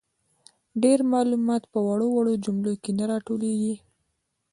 ډیر معلومات په وړو وړو جملو کي نه راټولیږي.